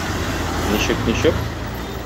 Ничек, ничек?